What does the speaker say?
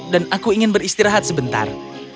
aku ingin beristirahat sebentar